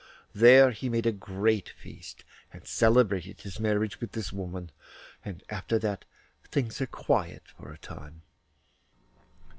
There he made a great feast, and celebrated his marriage with this woman; and after that things are quiet for a time.